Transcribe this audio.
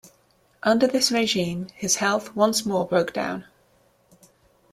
Under this regime, his health once more broke down.